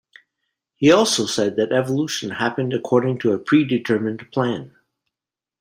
He also said that evolution happens according to a predetermined plan.